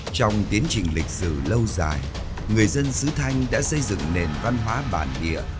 trong tiến trình lịch sử lâu dài người dân sứ thanh đã xây dựng nền văn hóa bản địa